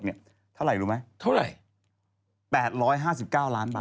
เท่าไหร่รู้ไหมเท่าไหร่๘๕๙ล้านบาท